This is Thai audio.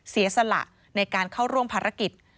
เสียสละในการเข้าร่วมภารกิจ